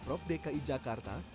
pemprov dki jakarta